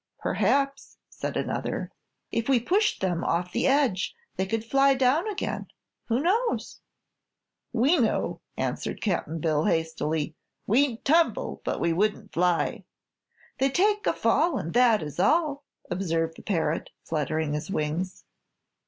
"Perhaps," said another, "if we pushed them off the edge they could fly down again. Who knows?" "We know," answered Cap'n Bill hastily. "We'd tumble, but we wouldn't fly." "They'd take a fall And that is all!" observed the parrot, fluttering its wings.